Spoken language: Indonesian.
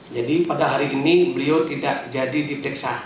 jadi pada hari ini beliau tidak jadi diperiksa